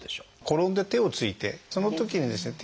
転んで手をついてそのときにですね